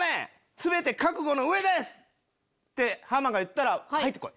「全て覚悟の上です」ってハマが言ったら入って来い。